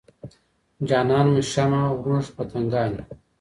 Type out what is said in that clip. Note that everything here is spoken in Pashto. جانان مو شمع موږ پتنګان یو